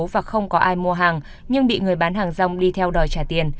và không có ai mua hàng nhưng bị người bán hàng rong đi theo đòi trả tiền